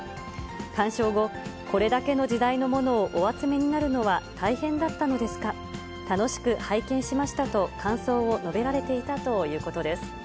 鑑賞後、これだけの時代のものをお集めになるのは大変だったのですか、楽しく拝見しましたと感想を述べられていたということです。